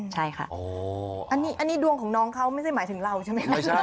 ใช่ค่ะอันนี้ดวงของน้องเขาไม่ใช่หมายถึงเราใช่ไหมคะ